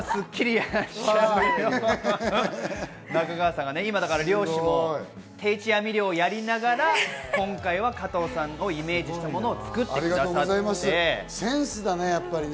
中川さんが今だから定置網漁をやりながら今回は加藤さんをイメージしたものを作ってくださいセンスだね。